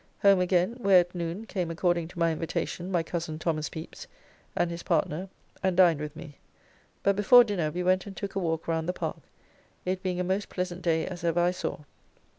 Home again, where at noon came according to my invitation my cos. Thos. Pepys and his partner and dined with me, but before dinner we went and took a walk round the park, it being a most pleasant day as ever I saw.